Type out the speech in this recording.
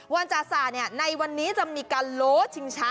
วันจาซาในวันนี้จะมีการโลชิงช้า